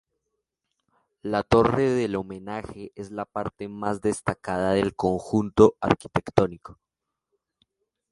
La torre del homenaje es la parte más destacada del conjunto arquitectónico.